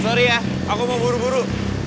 sorry ya aku mau buru buru